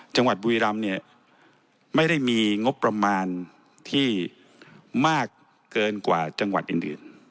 จังหวัดบุรีรำเนี่ยไม่ได้มีงบประมาณที่มากเกินกว่าจังหวัดอื่น